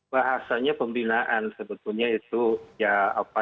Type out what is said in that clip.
bahasanya pembinaan sebetulnya itu ya apa